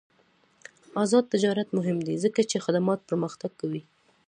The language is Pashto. آزاد تجارت مهم دی ځکه چې خدمات پرمختګ کوي.